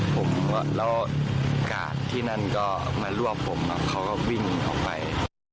ผมก็แล้วกากที่นั่นก็มารวบผมอ่ะเขาก็วิ่งเข้าไป